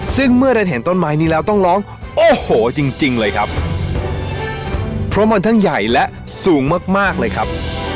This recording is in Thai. ซึ่งเมื่อดันเห็นต้นไม้นี้แล้วต้องร้องโอ้โหจริงจริงเลยครับเพราะมันทั้งใหญ่และสูงมากมากเลยครับ